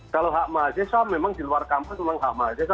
kalau hak mahasiswa memang di luar kampus memang hak mahasiswa